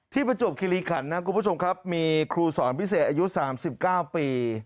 ที่ประจวบคิริขันนะครับคุณผู้ชมครับมีครูสอนพิเศษอายุสามสิบเก้าปี